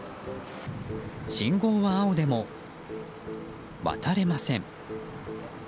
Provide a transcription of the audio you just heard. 信号は青でも渡れません。